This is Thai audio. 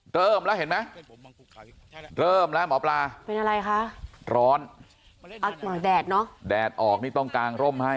เริ่มแล้วเห็นไหมเริ่มแล้วหมอปลาเป็นอะไรคะร้อนหน่อยแดดเนอะแดดออกนี่ต้องกางร่มให้